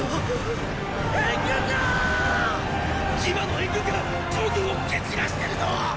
騎馬の援軍が趙軍を蹴散らしてるぞォ！